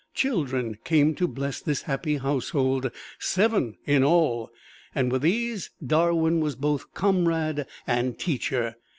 Children came to bless this happy household seven in all. With these Darwin was both comrade and teacher.